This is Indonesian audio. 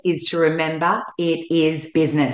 ingatlah itu adalah bisnis